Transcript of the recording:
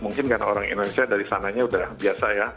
mungkin karena orang indonesia dari sananya udah biasa ya